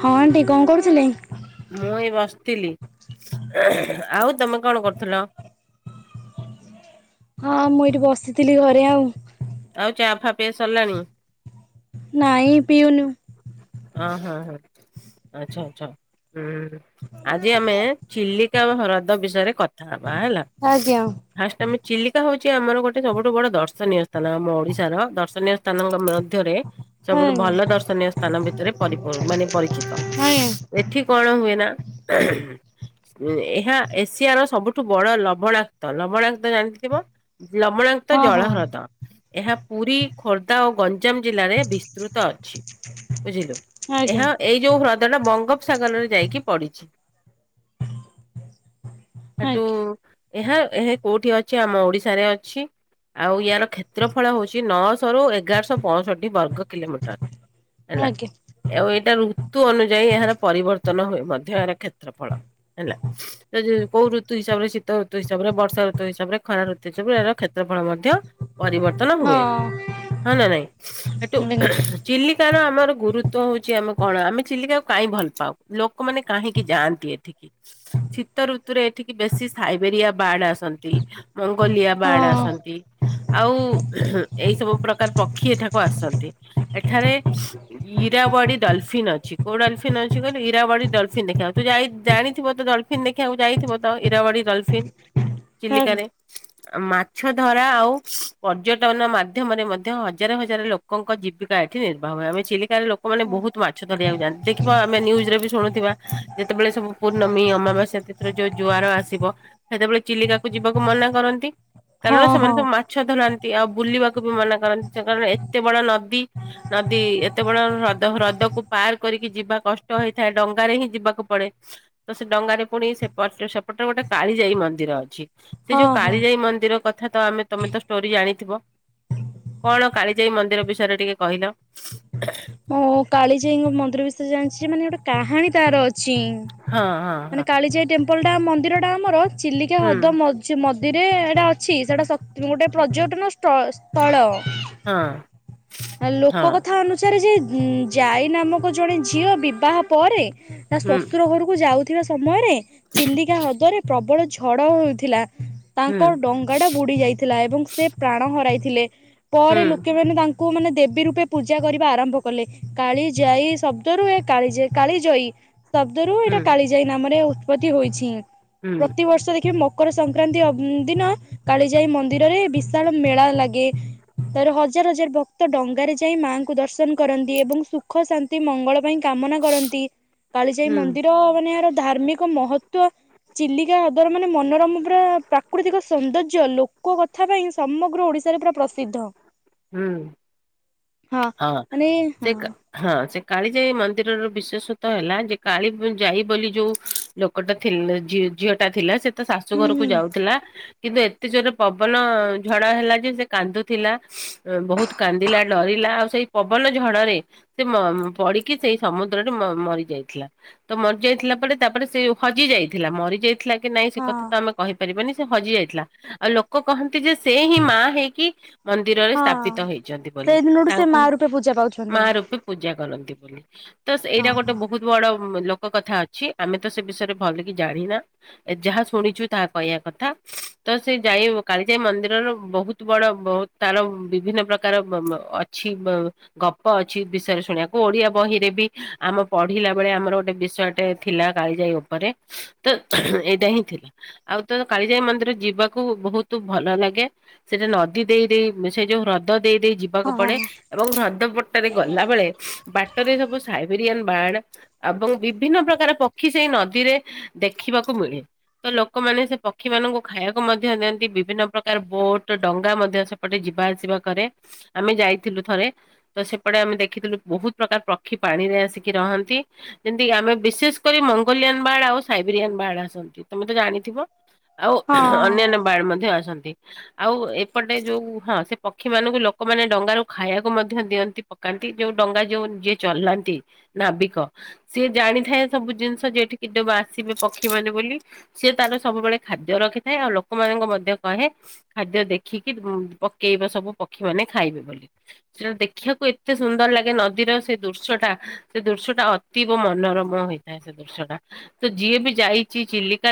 ହଁ ଆଣ୍ଟି କଣ କରୁଥିଲେ? ମୁଁ ଏଇ ବସଥିଲି। ଆଉ ତମେ କଣ କରୁଥୁଲ? ହଁ ମୁଁ ଏଇଠି ବସିଥିଲି ଘରେ ଆଉ। ଆଉ ଚାଆ ଫା ପିଆ ସରିଲାଣି? ନାଇଁ ପିଉନୁ। ଅହ ହଁ ଆଚ୍ଛା ଆଚ୍ଛା ହୁଁ। ଆଜି ଆମେ ଚିଲିକା ବ ହ୍ରଦ ବିଷୟରେ କ କଥା ହବା ହେଲା ଆଜ୍ଞା ଫାର୍ଷ୍ଟ ଆମେ ଚିଲିକା ହଉ ଛି ଆମର ଗୋଟେ ସବୁଠୁ ବଡ ଦର୍ଶନୀୟ ସ୍ଥାନ ଆମ ଓଡିଶାର ଦର୍ଶନୀୟ ସ୍ଥାନ କୁ ଆମ ମଧ୍ୟରେ ହଁ ସବୁଠୁ ଭଲ ଦର୍ଶନୀୟ ସ୍ଥା ଭିତରେ ପରିପ ମାନେ ପରିଚିତ ଆଜ୍ଞା ଏଠି କଣ ହୁଏ ନା। ଉଁ ଏହା ଏସିଆର ସବୁଠୁ ବଡ ଲବଣାକ୍ତ ଲବଣାକ୍ତ ଜାଣିଥିବ? ଲବଣାକ୍ତ ହଁ ଜଳ ହଁ ହ୍ରଦ ଏହା ପୁରୀ, ଖୋର୍ଦ୍ଧା ଓ ଗ ଗଞ୍ଜାମ ଜିଲ୍ଲାରେ ବିସ୍ତୃତ ଅଛି। ବୁଝିଲୁ ଆଜ୍ଞା ଏହା ଏଇ ଯୋଉ ହ୍ରଦ ଟା ବଙ୍ଗୋପସାଗରରେ ଯାଇକି ପଡିଛି। ସେଠୁ ଆଜ୍ଞା ଏହା ଏହା କୋଉଠି ଅଛି ଆମ ଓଡିଶାରେ ଅଛି। ଆଉ ୟାର କ୍ଷେତ୍ରଫଳ ହଉଛି ନଅଶହ ରୁ ଏଗାରଶହ ପଂଷଠି ବର୍ଗ କିଲୋମିଟର। ହେଲା ଆଜ୍ଞା ଆଉ ଏଇଟା ଋତୁ ଅନୁଯାୟୀ ଏହାର ପରିବର ତ ନ ହୁଏ ମଧ୍ୟ ଏହାର କ୍ଷେତ୍ର ଫଳ ହେଲା ଏ ଯୋଉ କୋଉ ଋତୁ ହିସାବରେ ଶୀତ ଋତୁ ହିସାବରେ ବର୍ଷା ଋତୁ ହିସାବରେ ଖରା ଋତୁ ହିସାବ ଏହାର କ୍ଷେତ୍ରଫଳ ମଧ୍ୟ। ପରିବର୍ତ୍ତନ ହଁ ହୁଏ ହଁ ନା ନାଇଁ ଏଠୁ ଚିଲିକାର ଆମର ଗୁରୁତ୍ୱ ହଉଛି ଆମ କଣ ଆମେ ଚିଲିକାକୁ କାହିଁ ଭଲ ପାଉ ଲୋକମାନେ କାହିଁକି ଯାଆନ୍ତି ଏଠିକି? ଶୀତ ଋତୁରେ ଏଠିକି ବେଶୀ ସାଇବେରିଆ ବାର୍ଡ ଆସନ୍ତି। ମଙ୍ଗୋଲିଆ ବାର୍ଡ ଆସନ୍ତି। ଆଉ ଏଇ ସବୁ ପ୍ରକାର ପକ୍ଷୀ ଏଠାକୁ ଆସନ୍ତି ଏଠାରେ। ଇ-ଇରାବାଡି ଡଲଫିନ୍ ଅଛି କୋଉ ଡଲଫିନ୍ ଅଛି କହିଲୁ ଇରାବାଡି ଡଲଫନ୍ ଦେଖିବାକୁ ତୁ ଯାଇ ଜାଣିଥିବ ତ ଡଲଫିନ ଦେଖିବାକୁ ଯାଇଥିବ ତ ଇରାବାଡି ଡଲଫିନ୍ ହଁ ଚିଲିକାରେ। ଆ ମାଛ ଧରା ଆଉ ପର୍ଯ୍ୟଟନ ମାଧ୍ୟମରେ ମଧ୍ୟ ହଜାର ହଜାର ଲୋକଙ୍କ ଜୀବିକା ଏଠି ନିର୍ବାହ ହୁଏ ଆମେ ଚିଲିକାରେ ଲୋକମାନେ ବହୁତ ମାଛ ଧରିବାକୁ ଜାଆ ଦେଖିବ ଆମେ ନ୍ୟୁଜ ରେ ବି ଶୁଣୁଥିବା ଯେତେବେଳେ ସବୁ ପୂର୍ଣ୍ଣମୀ ଅମାବାସ୍ୟା ତିଥିରେ ଯୋଉ ଜୁଆର ଆସିବ। ସେତେବେଳେ ଚିଲିକାକୁ ଯିବାକୁ ମନା କରନ୍ତି କାରଣ ହଁ ସେମାନେ ସବୁ ହଁ ମାଛ ଧରା ତି ଆଉ ବୁଲିବାକୁ ବି ମନା କରନ୍ତି କାରଣ ଏତେ ବଡ ନଦୀ ନଦୀ ଏ ଯେତେବେଳେ ହ୍ରଦ ହ୍ରଦକୁ ପାର କରିକି ଯିବା କଷ୍ଟ ହେଇଥାଏ ଡଙ୍ଗାରେ ହିଁ ଯିବାକୁ ପଡେ ତ ସେ ଡ ଡଙ୍ଗାରେ ପୁଣି ସେପଟେ ସେପଟେ ଗୋଟେ କାଳିଜାଇ ମନ୍ଦିର ଅଛି ସେ ଯୋଉ ହଁ ହଁ କାଳିଜାଇ ମନ୍ଦିର କଥା ତ ଆମେ ତମେ ତ ଷ୍ଟୋରି ଜାଣିଥିବ। କଣ କାଳିଜାଇ ମନ୍ଦିର ବିଷୟରେ ଟିକେ କହିଲ? ମୁଁ କାଳିଜାଇଙ୍କ ମନ୍ଦିର ବିଷୟରେ ଜାଣିଛି ମାନେ ଗୋଟେ କାହାଣୀ ତାର ଅ- ଚି ହଁ ହଁ ମାନେ ହଁ କାଳିଜାଇ ଟେମ୍ପଲ ଟା ମନ୍ଦିର ଟା ଆମର ଚିଲିକା ହୁଁ ହ୍ରଦ ମଝି ମ ନଦୀରେ ଏଇଟା ଅଛି ସେଟା ଶକ୍ତି ଗୋଟେ ପର୍ଯ୍ୟଟନ ସ୍ଥ ସ୍ଥଳ। ହଁ। ଆ ଲୋକ ହଁ କଥା ଅନୁସାରେ ଯେ ଉଁ ଯାଇ ନାମକ ଜଣେ ଝିଅ ବିବାହ ପରେ। ତା ହୁଁ ଶ୍ୱଶୁର ଘରକୁ ଯାଉଥିବା ସମୟରେ ଚିଲିକା ହ୍ରଦରେ ପ୍ରବଳ ଝଡ ହେଉଥିଲା। ହୁଁ ତାଙ୍କ ଡଙ୍ଗା ଟା ବୁଡି ଯାଇଥିଲା ଏବଂ ସେ ପ୍ରାଣ ହରାଇଥିଲେ। ପରେ ଲୋକେମାନେ ତା ଙ୍କୁ ମାନେ ଦେବୀ ରୂପେ ପୂଜା କରିବା ଆରମ୍ଭ କଲେ କାଳି ଯାଇ ଶବ୍ଦରୁ ଏହା କାଲିଯାଇ କାଳିଜଇ। ଶବ୍ଦ ରୁ ହୁଁ ହୁଁ ଏଇଟା କାଳିଜାଇ ନାମରେ ଉତ୍ପତ୍ତି ହୋଇଛି ହୁଁ ପ୍ରତିିବର୍ଷ ଦେଖିବେ ମୋ ମକର ସଂକ୍ରାନ୍ତି ଅବ ଉଁ ଦିନ କାଳିଜାଇ ମନ୍ଦିରରେ ବିଶାଳ ମେଳା ଲାଗେ ତାପରେ ହଜାର ହଜାର ଭକ୍ତ ଡଙ୍ଗାରେ ଯାଇ ମାଆଙ୍କୁ ଦର୍ଶନ କରନ୍ତି ଏବଂ ସୁଖ ଶାନ୍ତି ମଙ୍ଗଳ ପାଇଁ କାମନା କରନ୍ତି କାଳିଜାଇ ହୁଁ ମନ୍ଦିର ମାନେ ଏହାର ଧାର୍ମିକ ମହତ୍ୱ। ଚିଲିକା ହ୍ରଦର ମାନେ ମନୋରମ ପୁରା ପ୍ରାକୃତିକ ସୌନ୍ଦର୍ଯ୍ୟ ଲୋକ କଥା ପାଇଁ ସମଗ୍ର ଓଡି ଶା ରେ ପୁରା ପ୍ରସିଦ୍ଧ। ହୁଁ। ହଁ ମାନେ ହଁ ସେ କ ହଁ ସେ କାଳିଜାଇ ମନ୍ଦିରର ବିଶେଷତ୍ୱ ହେଲା ଯେ କାଳି ବ ଯାଇ ବୋଲି ଯୋଉ ଲୋକଟା ଥିଲ ଝି ଝିଅ ଟା ଥିଲା ସେ ତା ଶାଶୁ ହୁଁ ଘରକୁ ହୁଁ ଯାଉଥିଲା। କିନ୍ତୁ ଏତେ ଜୋରରେ ପବନ ଝଡ ହେଲା ଯେ ସେ କାନ୍ଦୁଥିଲା ଅଁ ବହୁତ କାନ୍ଦିଲା ଡରିଲା ଆଉ ସେଇ ପବନ ଝଡରେ ସେ ମ ପଡିକି ସେଇ ସମୁଦ୍ରରେ ମ ମରି ଯାଇଥିଲା ତ ମରିଯା ଥିଲା ପରେ, ତାପରେ ସେ ହଜି ଯାଇଥିଲା, ମରି ଯାଇଥିଲା କି ନାଇଁ ସେ କଥା ହଁ ତ ଆମେ କହିପାରିବନି, ସେ ହଜି ଯାଇଥିଲା, ଆଉ ଲୋକ କହନ୍ତି ଯେ- ସେ ହିଁ ମା ହେଇକି ମନ୍ଦିରରେ ହଁ ସ୍ଥାପିତ ହେଇଛନ୍ତି ବୋଲି। ସେଇ ଦିନଠୁ ସେ ମା ତାଙ୍କୁ ରୂପେ ପୂଜା ପାଉଛନ୍ତି। ମା ରୂପୀ ପୂଜା କରନ୍ତି ବୋଲି, ତ ହଁ ସେଇଟା ଗୋଟେ ହଁ ବହୁତ ବଡ ଲୋକ କଥା ଅଛି ଆମେ ତ ସେ ବିଷୟରେ ଭଲ କିି ଜାଣିନା, ଯାହା ଶୁଣିଛୁ ତାହା କହିବା କଥା। ତ ସେ ଯାଇ କାଳିଜାଇ ମନ୍ଦିରର ବହୁତ ବଡ, ବହୁତ ତାର ବିଭିନ୍ନ ପ୍ରକାର ଅଛି, ଗପ ଅଛି, ବିଷୟରେ ଶୁଣିବାକୁ, ଓଡିଆ ବହିରେ ବି ଆମ ପଢିଲା ବେଳେ ଆମର ଗୋଟେ ବିଷୟଟି ଥିଲା କାଳିଜାଇ ଉପରେ, ତ ଏଇଟା ହିଁ ଥିଲା, ଆଉ ତ କାଳିଜାଇ ମନ୍ଦିର ଜି ଯିବାକୁ ବହୁତ ଭଲ ଲାଗେ, ସେଟା ନଦୀ ଦେଇ ଦେଇ ସେ ଯୋଉ ହ୍ରଦ ଦେଇ ଦେଇ ଯିବାକୁ ହଁ ପଡେ ଏବଂ ହ୍ରଦପଟରେ ଗଲା ବେଳେ ବାଟରେ ସବୁ ସାଇବେରିଆନ୍ ବାଣ ଏବଂ ବିଭିନ୍ନ ପ୍ରକାର ପକ୍ଷୀ ସେଇ ନଦୀରେ ଦେଖିବାକୁ ମିଳେ। ତ ଲୋକମାନେ ସେ ପକ୍ଷୀ ମାନଙ୍କୁ ଖାଇବାକୁ ମଧ୍ୟ ଦିଅନ୍ତି, ବିଭିନ୍ନ ପ୍ରକାର ବୋଟ ଡଙ୍ଗା ମଧ୍ୟ ସେପଟେ ଯିବା ଆସିବା କରେ, ଆମେ ଯାଇ ଥିଲୁ ଥରେ, ତ ସେପଟେ ଆମେ ଦେଖିଥିଲୁ ବହୁତ ପ୍ରକାର ପକ୍ଷୀ ପାଣିରେ ଆସିକି ରହନ୍ତି, ଯେମିତି ଆମେ ବିଶେଷ କରି ମଙ୍ଗୋଲିଆନ୍ ବାହାଡ ଆଉ ସାଇବେରିଆନ୍ ବାହାଡ ଆସନ୍ତି ତମେ ତ ଜାଣିଥିବ? ଆଉ ହଁ ଅନ୍ୟାନ୍ୟ ବାଡ ମଧ୍ୟ ଆସନ୍ତି। ଆଉ ଏପଟେ ଯୋଉ, ହଁ -ସେ ପକ୍ଷୀ ମାନଙ୍କୁ ଲୋକମାନେ ଡଙ୍ଗା ରୁ ଖାଇବାକୁ ମଧ୍ୟ ଦିଅନ୍ତି, ପକାନ୍ତି, ଯୋଉ ଡଙ୍ଗା ଯୋଉ ଯିଏ ଚଲାନ୍ତି ନାବିକ ସିଏ ଆଣିଥାଏ ସବୁ ଜିନିଷ ଯେ - ଏଠିକି ଆସିବେ ପକ୍ଷୀ ମାନେ ବୋଲି, ସେତାର ସବୁବେଳେ ଖାଦ୍ୟ ରଖିଥାଏ ଆଉ ଲୋକମାନଙ୍କୁ ମଧ୍ୟ କହେ, ଖାଦ୍ୟ ଦେଖିକି ପକେଇବ ସବୁ ପକ୍ଷୀମାନେ ଖାଇବେ ବୋଲି। ସେଟା ଦେଖିବାକୁ ଏତେ ସୁନ୍ଦର ଲାଗେ ନଦୀର ସେ ଦୃଶ୍ୟ ଟା, ସେ ଦୃଶ୍ୟ ଟା ଅତୀବ ମନ ରମ ହେଇଥାଏ ସେ ଦୂର୍ଷ୍ୟଟା, ତ ଯିଏ ବି ଯାଇଛି ଚିଲିକା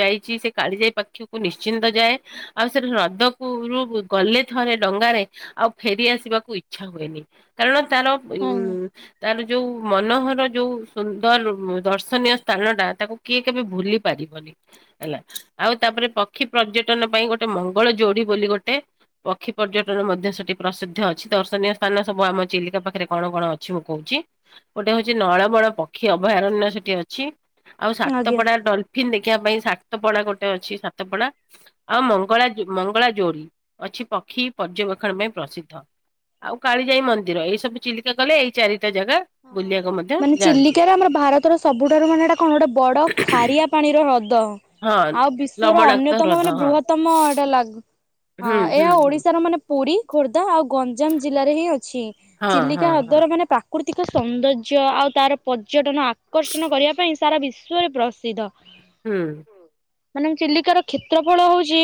ଯାଇଛି, ସେ କାଳି ଯାଇ ପାଖ କ୍ଷକୁ ନିଶ୍ଚିନ୍ତ ଯାଏ, ଆଉ ସେଠା ହ୍ରଦକୁ ର ଗଲେ ଥରେ ଡଙ୍ଗାରେ ଆଉ ଫେରି ଆସିବାକୁ ଇଚ୍ଛା ହୁଏନି, କାରଣ- ତାର ଆଜ୍ଞା ଉ ଯୋଉ ମନୋହର, ଯୋଉ ସୁନ୍ଦର ଦର୍ଶନୀୟ ସ୍ଥାନ ଟା, ତାକୁ କିଏ କେବେ ଭୁଲି ପାରିବନି। ହେଲା ଆଉ ତାପରେ ପକ୍ଷୀ ପର୍ଯ୍ୟଟନ ପାଇଁ ଗୋଟେ ମଙ୍ଗଳ ଯୋଡି ବୋଲି ଗୋଟେ ପକ୍ଷୀ ପର୍ଯ୍ୟଟନ ମଧ୍ୟ ସେଠି ପ୍ରସିଦ୍ଧ ଅଛି, ଦର୍ଶନୀୟ ସ୍ଥାନ ସବୁ ଆମ ଚିଲିକା ପାଖରେ କଣ କଣ ଅଛି ମୁଁ କହୁଛି? ଗୋଟେ ହଉଛି ନଳବ ପକ୍ଷୀ ଅଭୟାରଣ୍ୟ ସେଠି ଅଛି, ଆଉ ଆଜ୍ଞା। ସାତପଡା ଡଲଫିନ୍ ଦେଖ ପରଖା ପାଇଁ ସାତ ପଡା ଗୋଟେ ଅଛି, ସାତ ପଡା, ଆଉ ମଙ୍ଗଳା, ମଙ୍ଗଳା ଯୋଡି ଅଛି। ପକ୍ଷୀ ପର୍ଯ୍ୟବେକ୍ଷଣ ପାଇଁ ପ୍ରସିଦ୍ଧ, ଆଉ କାଳିଜାଇ ମନ୍ଦିର, ଏଇ ସବୁ ଚିଲିକା ଗଲେ ଏଇ ଚାରି ମାନେ ଚିଲିକା ର ଆମର ଭାରତର ସବୁଠାରୁ ମାନେ ଏଟା କଣ ଗୋଟେ ବଡ ଖାରିଆ ପାଣିର ହ୍ର ଦ ହଁ ଆଉ ବିଶ୍ଵର ଲବଣାକ୍ତ ଅନ୍ୟତମ ହ୍ରଦ ମାନେ ହଁ ବୃହତମ ଏଇଟା ଲାଗୁ ହଁ, ହୁଁ ହୁଁ ଏହା ହୁଁ ଓଡିଶାର ମାନେ ପୁରୀ ଖୋର୍ଦ୍ଧା ଆଉ ଗଞ୍ଜାମ ଜିଲ୍ଲାରେ ହିଁ ଅଛି ହଁ ଚିଲିକା ହଁ ହଁ ହ୍ରଦର ମାନେ ପା ଆତିକ ସୌନ୍ଦର୍ଯ୍ୟ ଆଉ ତାର ପର୍ଯ୍ୟଟନ ଆକର୍ଷଣ କରିବା ପାଇଁ ସାରା ବିଶ୍ଵରେ ପ୍ରସିଦ୍ଧ। ହୁଁ। ମାନେ ଚିଲିକାର କ୍ଷେତ୍ର ଫଳ ହଉଛି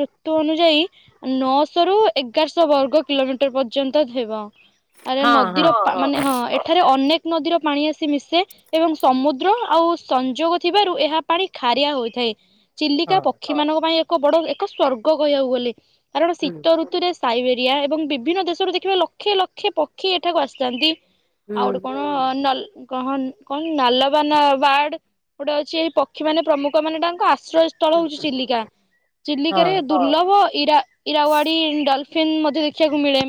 ଋତୁ ଅନୁଯାୟୀ ନଅଶ ରୁ ଏଗାରଶ୍ ଶ ବର୍ଗ କିଲୋମିଟର ପର୍ଯ୍ୟନ୍ତ ହେବ, ଆରେ ନଦୀର ହଁ ପା ମାନେ ହଁ ଏଠାରେ ଅନେକ ନଦୀର ପାଣି ଆସି ମିଶେ ଏବଂ ସମୁଦ୍ର ଆଉ ସଂଯୋଗ ଥିବାରୁ ଏହା ପାଣି ଖାର ରିଆ ହୋଇଥାଏ। ଚିଲିକା ହଁ ପକ୍ଷୀ ମାନଙ୍କ ପାଇଁ ଏକ ବଡ ଏକ ସ୍ଵର୍ଗ କହିବାକୁ ଗଲେ, କାରଣ ହୁଁ -ଶୀତ ଋତୁରେ ସାଇବେ ଦିଆ ଏବଂ ବିଭିନ୍ନ ଦେଶରୁ ଦେଖିବେ ଲକ୍ଷେ ଲକ୍ଷେ ପକ୍ଷୀ ଏଠାକୁ ଆସିଥାନ୍ତି। ହୁଁ ଆଉଡେ କଣ ହୁଁ ନଲ କହନ କନ୍ ନାଲବାନ ବାର୍ଡ ଗୋଟେ ଅଛି, ଏଇ ପକ୍ଷୀ ମାନେ ପ୍ରମୁଖ, ମାନେ ତାଙ୍କ ଆସ ଶ୍ରୟ ସ୍ଥଳ ହୁଁ ହଉଚ ଚିଲିକା। ହଁ ଚିଲିକାରେ ଦୁର୍ଲଭ ଇରା ଇରାୱାଡି ଡଲ୍ ଫିନ୍ ମଧ୍ୟ ଦେଖିବାକୁ ମିଳେ।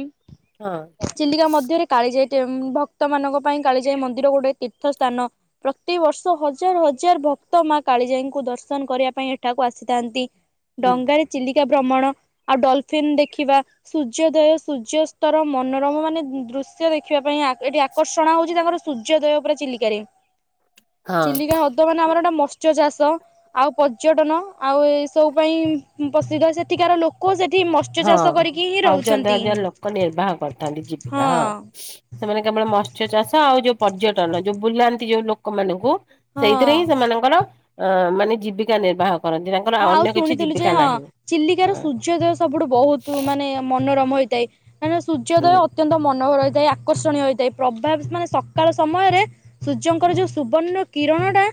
ହଁ ଚିଲିକା ମଧ୍ୟରେ କାଳି ଯାଇଟେ ଭକ୍ କ୍ତ ମାନଙ୍କ ପାଇଁ କାଳି ଯାଏ ମନ୍ଦିର ଗୋଟେ ତୀର୍ଥ ସ୍ଥାନ, ପ୍ରତିିବର୍ଷ ହଜାର ହଜାର ଭକ୍ତ ମା କା ଳିଯାଇଙ୍କୁ ଦର୍ଶନ କରିବା ପାଇଁ ଏଠାକୁ ଆସିଥାନ୍ତି। ହୁଁ ଡଙ୍ଗାରେ ଚିଲିକା ଭ୍ରମଣ ଆଉ ଡଲଫିନ୍ ଦେଖିବା, ସୂର୍ଯ୍ୟଦୟ ସୂର୍ଯ୍ୟସ୍ତର ମନୋରମ ମାନେ ଦୃଶ୍ ଶ୍ୟ ଦେଖିବା ପାଇଁ ଆକ୍ ଏଠି ଆକ୍ କର୍ଷଣା ହଉଛି ତାଙ୍କର ସୂର୍ଯ୍ୟୋଦୟ ପୁରା ଚିଲିକାରେ, ହଁ ଚିଲିକା ହ୍ରଦ ମାନେ ଆମର ଗୋଟେ ମ ସ୍ୟ ଚାଷ ଆଉ ପର୍ଯ୍ୟଟନ ଆଉ ଏସବୁ ପାଇଁ ପ୍ରସିଦ୍ଧ ସେଠିକାର ଲୋକ ସେଠ ହଁ ହଜାର ଦିଇ ହଜାର ଲୋକ ନିର୍ବାହ କରିଥାନ୍ତି ଜୀବିକା ହଁ ସେମାନେ କେବଳ ମଶ୍ ମାସ୍ୟ ଚାଷ ଆଉ ଯୋଉ ପର୍ଯ୍ୟଟନ ଯୋଉ ବୁଲାନ୍ତି ଯୋଉ ଲୋକମାନଙ୍କୁ ସେଇଥିରେ ହିଁ ହଁ। ସେମାନଙ୍କର ଅ ମାନେ ଜୀବିକା ନିର୍ବାହକ ହଁ ଆଉ ଶୁଣିଥିଲୁ ଯେ ହଁ ଚିଲିକାର ହଁ ସୂର୍ଯ୍ୟଦୟ ସ ସବୁଠୁ ବହୁତ ମାନେ ମନୋରମ ହୋଇଥାଏ ମାନେ ସୂର୍ଯ୍ୟଦୟ ହୁଁ ଅତ୍ୟନ୍ତ ମନୋହର ହୋଇ ସେ ଆକର୍ଷଣୀୟ ହୋଇଥାଏ ପ୍ରଭାତ ମାନେ ସକାଳ ସମୟରେ ସୂର୍ଯ୍ୟଙ୍କର ଯୋଉ ସୁବର୍ଣ୍ଣ କିରଣଟା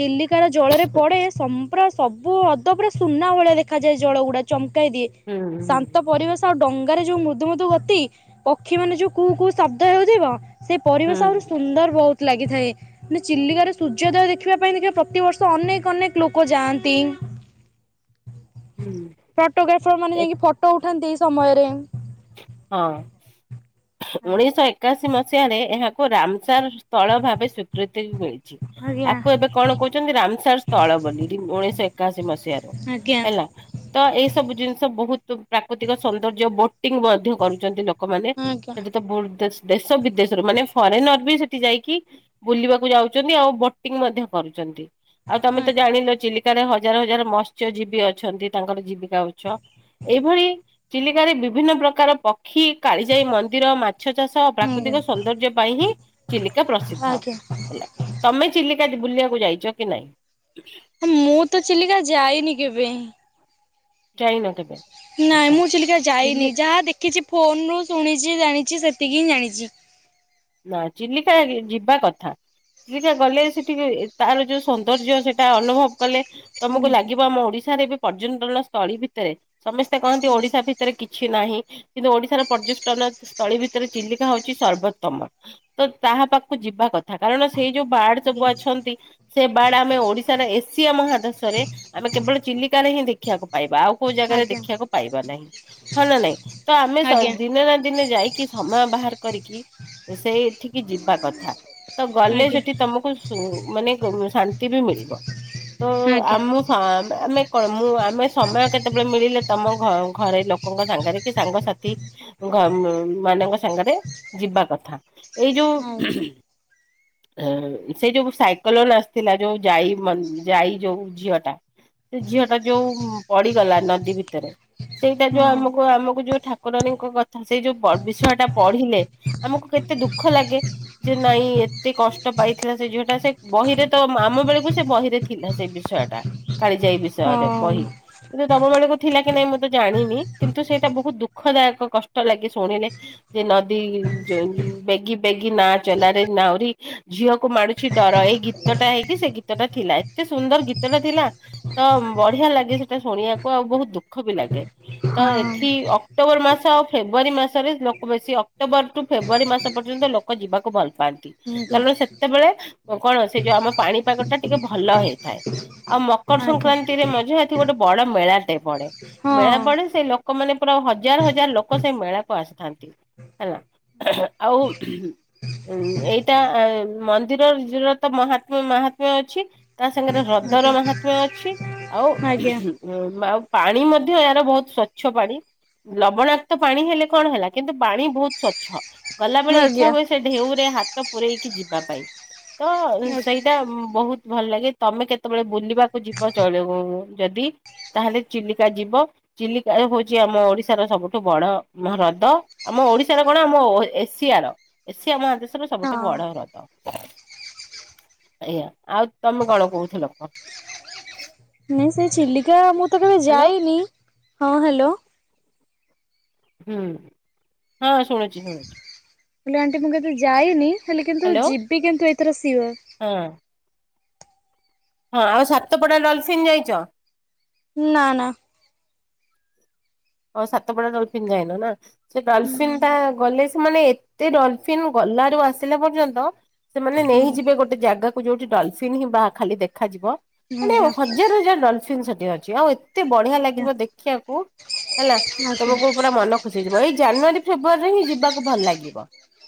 ଚିଲିକାର ଜଳରେ ପଡ଼େ ସମ୍ପ୍ର ସବ ପୁ ଅଦ ପୁରା ସୁନା ଭଳିଆ ଦେଖାଯାଏ ଜଳ ଗୁଡା ଚମକାଇ ଦିଏ ହୁଁ ହୁଁ ଶାନ୍ତ ପରିବେଶ ଆଉ ଡ଼ ଗାରେ ଯୁ ମୁଦୁମୁଦୁ ଗତି ପକ୍ଷୀ ମାନେ ଯୋଉ କୁଉ କୁଉ ଶବ୍ଦ ହେଉଥିବ ସେ ପରିବେଶ ଆହୁରି ହୁଁ। ସୁନ୍ଦର ବହୁତ ଲାଗିଥାଏ ମନ ଚିଲିକାରେ ସୂର୍ଯ୍ୟୋଦୟ ଦେଖିବା ପାଇଁ ଦେଖିବେ ପ୍ରତିବର୍ଷ ଅନେକ ଅନେକ ଲୋକ ଯାଆନ୍ତି। ହୁଁ ଫଟୋଗ୍ରାଫର ମାନେ ଏ ଯାଇକି ଫଟୋ ଉଠାନ୍ତି ଏଇ ସମୟରେ। ହଁ ଉଣେଇଶହ ଏକାଶି ମସିହା ରେ ଏହାକୁ ରାମଚାର ସ୍ଥଳ ଭାବେ ସ୍ଵୀକୃତି ମିଳିଛି ଆଜ୍ଞା ଆଜ୍ଞା। ଆକୁ ଏବେ କଣ କହୁଛନ୍ତି ରାମସାର ସ୍ଥଳ ବୋଲି ରିମ୍ ଉଣେଇଶହ ଏ ଏକାଶୀ ମସିହାରୁ ହେଲା ତ ଏଇ ସବୁ ଜିନିଷ ବହୁତ ପ୍ରାକୃତିକ ସୌନ୍ଦର୍ଯ୍ୟ ବୋଟିଂ ମଧ୍ୟ କରୁଛନ୍ତି ଲୋକମାନେ ଆଜ୍ଞା ଆଜ୍ଞା ସେଠି ତ ବୋର୍ ତେଜ ଦେଶ ବିଦେଶରୁ ମାନେ ଫରେନର ବି ସେଠି ଯାଇକି ବୁଲିବାକୁ ଯାଉଛନ୍ତି ଆଉ ବୋଟିଂ ମଧ୍ୟ କରୁଛନ୍ତି। ଆଉ ତମେ ତ ଜାଣିଲ ଚିଲିକାରେ ହଜାର ହଜାର ମତ୍ସ୍ୟଜୀବୀ ଅଛନ୍ତି ତାଙ୍କର ଜୀବିକା ଯାଉଛ ଏଇଭଳି ଚିଲିକାରେ ବିଭିନ୍ନ ପ୍ରକାର ପକ୍ଷ୍ କ୍ଷୀ କାଳି ଯାଇ ମନ୍ଦିର ମାଛ ଚାଷ ପ୍ରାକୃତିକ ସୌନ୍ଦର୍ଯ୍ୟ ପାଇଁ ହିଁ ଚିଲିକା ପ୍ରସିଦ୍ଧ। ଆଜ୍ଞା ଆଜ୍ଞା। ହେଲା ତମେ ଚିଲିକା ବୁଲିବାକୁ ଯାଇଛ କି ନାଇଁ? ମୁଁ ତ ଚିଲିକା ଯାଇନି କେବେ? ଯାଇନ କେବେ? ନାଇଁ ଆଚ୍ଛା ମୁଁ ଚିଲିକା ଯାଇନି ଚିଲି ଯାହା ଦେଖିଛି ଫୋନ ରୁ ଶୁଣିଛି ଜାଣି କଛିି ସେତିକି ହିଁ ଜାଣିଛି। ନା ଚିଲିକା ଯିବା କଥା। ଚିଲିକା ଗଲେ ସେଠିକି ତାର ଯୋଉ ସୌନ୍ଦର୍ଯ୍ୟ ସେଟା ଅନୁଭବ କଲେ ତମକୁ ହୁଁ ଲାଗିବ ଆମ ଓଡିଶାରେ ଏବେ ପର୍ଯ୍ୟଟନି ସ୍ଥଳୀ ଭିତରେ, ସମସ୍ତେ କହନ୍ତି ଓଡିଶା ଭିତରେ କି କିଛି ନାହିଁ କିନ୍ତୁ ଓଡିଶାର ପର୍ଯ୍ୟସ୍ଟନ ସ୍ଥଳୀ ଭିତରେ ଚିଲିକା ହଉଛି ସର୍ବୋତ୍ତମ। ତ ତାହା ପାଖକୁ ଯିବା କଥା କାରଣ ସେଇ ଯୋଉ ବାର୍ଡ ସବୁ ଆଜ୍ଞା ଅଛନ୍ତି ସେ ବାର୍ଡ ଆମେ ଓଡିଶାର ଏସିଆ ମହାଦେଶରେ ଆମେ କେବଳ ଚି ଚିଲିକାରେ ହିଁ ଦେଖିବାକୁ ପାଇବା, ଆଉ କୋଉ ଜାଗାରେ ଆଜ୍ଞା ଦେଖିବାକୁ ପାଇବା ନାହିଁ। ହଁ ନା ନାଇଁ ତ ଆମେ ସ ଆଜ୍ଞା ଦିନେ ନା ଦିନେ ଯାଇକି ସମୟ ବା ବାହାର କରିକି ସେଇଠିକି ଯିବା କଥା, ତ ଗଲେ ଆଜ୍ଞା ସେଠି ତମକୁ ସୁ ମାନେ କୁ ଶାନ୍ତି ବି ମିଳିବ ତ ଆଜ୍ଞା। ଆମ ଆମେ କଣ ମୁଁ ଆମେ ସମୟ କେତେବେଳେ ମିଳିଲେ ତମ ଘ ଘରେ ଲୋକଙ୍କ ସାଙ୍ଗରେ କି ସାଙ୍ଗସାଥି ଘ ମାନଙ୍କ ସାଙ୍ଗରେ ଯିବା କଥା। ଏଇ ଯୋଉ ହଁ ଖୁନ ଇଁ ସେ ଯୋଉ ସାଇକଲୋନ ଆସିଥିଲା ଯୋଉ ଯାଇ ମନ୍ ଯାଇ ଯୋଉ ଝିଅ ଟା। ସେ ଝିଅ ଟା ଯୋଉ ପଡିଗଲା ନଦୀ ଭିତରେ, ସେଇଟା ଯୋଉ ହଁ ଆମକୁ ଆମକୁ ଯୋଉ ଠାକୁର ଠାକୁରାଣୀ ଙ୍କ ଗତି ସେଇ ଯୋଉ ବିଷୟ ଟା ପଢିଲେ ଆମକୁ କେତେ ଏତେ ଦୁଃଖ ଲାଗେ ଯେ ନାଇଁ ଏତେ କଷ୍ଟ ପାଇଥିଲା। ସେ ଝିଅଟା ସେ ବହିରେ ତ ଆମ ବେଳକୁ ସେ ବହିରେ ଥିଲା ସେଇ ବିଷୟ ଟା କାଳିଜାଇ ବିଷୟରେ ବହି ହଁ କିନ୍ତୁ ତମ ବେଳକୁ ଥିଲା କି ନାଇଁ ମୁଁ ତ ଜାଣିନି କିନ୍ତୁ, ସେଇଟା ବହୁତ୍ ଦୁଃଖଦାୟକ କଷ୍ଟ ଲାଗେ ଶୁଣିଲେ। ସେ ନଦୀ ଉ ଯୋଉ ବେଗି ବେଗି ନାଁ ଚଲାରେ ନାଉରି ଝିଅକୁ ମାଡୁଛି ଡର। ଏଇ ଗୀତ ଟା ହେଇକି ସେ ଗୀତ ଟା ଥି ଥିଲା, ଏତେ ସୁନ୍ଦର ଗୀତଟା ଥିଲା ତ ବଢିଆ ଲାଗେ ସେଟା ଶୁଣିବାକୁ ଆଉ ବହୁତ୍ ଦୁଃଖ ବି ଲାଗେ। ତ ଏଠି ଆଜ୍ଞା। ଅକ୍ଟୋବର ମାସ ଆଉ ଫେବୁଆରୀ ମାସରେ ଲୋକ ବେଶୀ ଅକ୍ଟୋବର ଟୁ ଫେବୁଆରୀ ମାସ ପର୍ଯ୍ୟନ୍ତ ଲୋକ ଯିବାକୁ ଭଲ ପାଆନ୍ତି, କାରଣ ସେତେବେଳେ କଣ ସେ ଯୋଉ ଆମ ପାଣିପାଗ ଟା ଟିକେ ଭଲ ହେଇଥାଏ। ଆଉ ମକର ଆଜ୍ଞା ସଂକ୍ରାନ୍ତିରେ ମଝିରେ ଏଠି ଗୋଟେ ବଡ ମେଳାଟେ ପଡେ। ହଁ ମେଳା ପଡେ ସେ ଲୋ ଲୋକ ମାନେ ପୁରା ହଜାର ହଜାର ଲୋକ ସେଇ ମେଳାକୁ ଆସିଥାନ୍ତି। ହେଲା ଆଉ ଉଁ ଏଇଟା ଆ ମନ୍ଦିରର [unintelligible] ମହାତ୍ମ୍ୟ ମହାତ୍ମ୍ୟ ଅଛି। ତା ସାଙ୍ଗରେ ହ୍ରଦର ଆଜ୍ଞା ଆଜ୍ଞା ମାହାତ୍ମ୍ୟ ଅଛି ଆଉ ଆଜ୍ଞା [unintelligible] ପାଣି ମଧ୍ୟ ଏହାର ବହୁତ ସ୍ଵଚ୍ଛ ପାଣି। ଲବଣାକ୍ତ ପାଣି ହେଲେ କଣ ହେଲା, କିନ୍ତୁ ପାଣି ବହୁତ ସ୍ଵଚ୍ଛ। ଗଲା ବେଳେ ଇଚ୍ଛା ହୁଏ, ସେ ଢେଉ ରେ ହାତ ପୂରେଇକି ଯିବା ପାଇଁ। ତ ଆଜ୍ଞା ସେଇଟା ବହୁତ୍ ଭଲ ଲାଗେ ତମେ କେତେବେଳେ ବୁଲିବାକୁ ଯିବ ଜଣେଇବ ମୁ ଯଦି ତାହେଲେ ଚିଲିକା ଯିବ। ଚିଲିକାରେ ହୋଇଛି ଆମ ଓଡିଶାର ସବୁଠୁ ବଡ ହ୍ରଦ। ଆମ ଓଡିଶାର କଣ ଆମ ଓ ଏ ଏସିଆର, ଏସିଆ ମହାଦେଶର ସବୁଠୁ ହଁ। ବଡ ହ୍ରଦ। ଆଜ୍ଞା, ଆଉ ତମେ କଣ କହୁଥିଲ କୁହ? ନାଇଁ ସେ ଚିଲିକା ମୁଁ ତ କେବେ ହ୍ୟାଲୋ ଯାଇନି ହଁ ହାଲୋ ହୁଁ, ହଁ ଶୁଣୁଛି ଶୁଣୁଛି। ହେଲେ ଆଣ୍ଟି ମୁଁ କେବେ ଯାଇନି, ହେଲେ କିନ୍ତୁ ହ୍ୟାଲୋ ଯିବି କିନ୍ତୁ ଏଥର ସିଓର୍। ହଁ ହଁ ଆଉ ସାତପଡା ଡଲଫିନ୍ ଯାଇଛ? ନା ନା। ହଁ ସାତପଡା ଡଲଫିନ୍ ଯାଇନ ନା, ସେ ଡାଲସିଂ ହୁଁ ଟା ଗଲେ ମାନେ ଏତେ ଡଲଫିିନ୍ ଗଲା ରୁ ଆସିଲା ପର୍ଯ୍ୟନ୍ତ ସେମାନେ ଆଜ୍ଞା ନେଇଯିବେ ଗୋଟେ ଜାଗା ଯୋଉଠି ଡଲଫିନ୍ ବା ଖାଲି ଦେଖାଯିବ ମାନେ ଏ ହଜାର ହଜାର ଡଲଫିିନ୍ ସେଠି ଅଛି ଆଉ ଏ ଏତେ ବଢିଆ ଆଜ୍ଞା ଲାଗିବ ଦେଖିଆକୁ ହେଲା ଆଜ୍ଞା ତମକୁ ପୁରା ମନ ଖୁସି ହେଇଯିବ, ଏଇ ଜାନୁଆରୀ ଫେବୃୟରୀରେ ହିଁ ଯିବାକୁ ଭଲ ଲାଗିବ।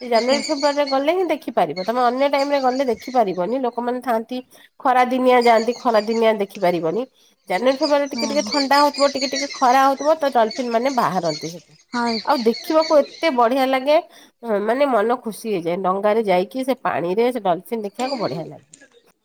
ସେ ଆଜ୍ଞା ଜାନୁଆରୀ ଫେବୃୟାରୀରେ ଗଲେ ହିଁ ଦେଖି ପାରିବ, ତମେ ଅନ୍ୟ ଟାଇମ ରେ ଗଲେ ଦେଖିପାରିବନି। ଲୋକମାନେ ଥାଆନ୍ତି ଖରା ଦିନିଆ ଯାଆନ୍ତି ଖରା ଦିନିଆ ଦେଖି ପାରିବନି, ଜାନୁଆରୀ ଫେବୃଆରୀରେ ଟିକେ ହଁ ଟିକେ ହଁ। ଥଣ୍ଡା ହଉଥିବ, ଟିକେ ଟିକେ ଖରା ହଉ ତ ଡଲଫିନ୍ ମାନେ ବାହାରନ୍ତି ସେଠୁ ହଁ। ଆଉ ଦେଖିବାକୁ ଏତେ ବଢିଆ ଲାଗେ। ମାନେ ମନ ଖୁସି ହେଇଯାଏ ଡଙ୍ଗାରେ ଯାଇକି ସେ ପାଣି ରେ ଡଲଫିନ୍ ଦେଖିବାକୁ ବଢ଼ିଆ ଲାଗେ।